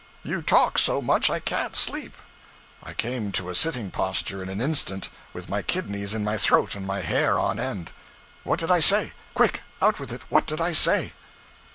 'You talk so much I can't sleep.' I came to a sitting posture in an instant, with my kidneys in my throat and my hair on end. 'What did I say. Quick out with it what did I say?'